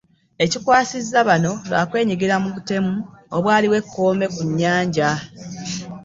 Ekikwasizza bano lwa kwenyigira mu butemu obwaliwo e Kkome ku nnyanja.